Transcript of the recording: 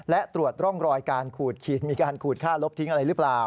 และตรวจร่องรอยการขูดขีดมีการขูดค่าลบทิ้งอะไรหรือเปล่า